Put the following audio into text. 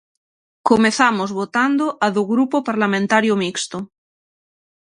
Comezamos votando a do Grupo Parlamentario Mixto.